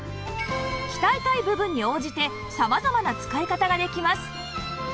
鍛えたい部分に応じて様々な使い方ができます